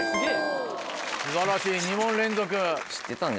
素晴らしい２問連続。